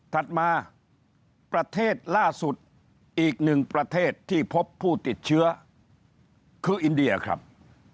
ถัดมาประเทศล่าสุดอีกหนึ่งประเทศที่พบผู้ติดเชื้อคืออินเดียครับ